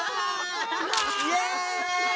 イエーイ！